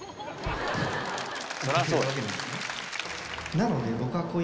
なので。